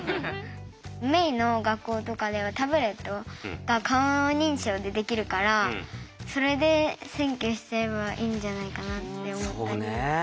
萌衣の学校とかではタブレットが顔認証でできるからそれで選挙しちゃえばいいんじゃないかなって思った。